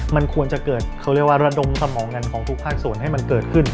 มันควรจะเกิดเขาเรียกว่าระดมสมองกันของทุกภาคส่วนให้มันเกิดขึ้น